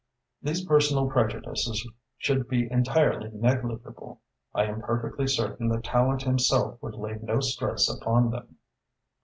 "These personal prejudices should be entirely negligible. I am perfectly certain that Tallente himself would lay no stress upon them."